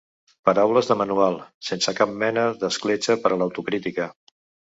Paraules de manual, sense cap mena d’escletxa per a l’autocrítica.